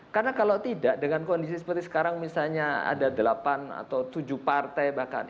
karena kalau tidak dengan kondisi seperti sekarang misalnya ada delapan atau tujuh partai bahkan